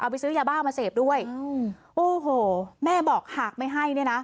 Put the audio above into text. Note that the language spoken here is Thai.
ไปซื้อยาบ้ามาเสพด้วยโอ้โหแม่บอกหากไม่ให้เนี่ยนะ